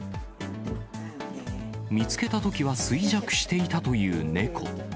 見つけたときは衰弱していたという猫。